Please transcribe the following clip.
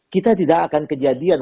kita tidak akan kejadian